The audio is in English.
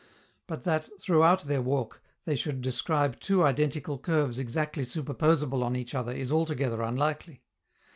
But that, throughout their walk, they should describe two identical curves exactly superposable on each other, is altogether unlikely.